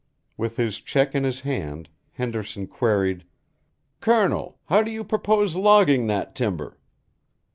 With his check in his hand, Henderson queried: "Colonel, how do you purpose logging that timber?"